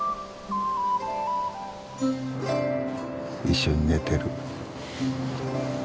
一緒に寝てる。